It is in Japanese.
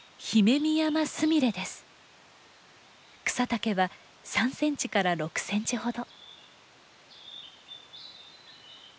草丈は３センチから６センチほど。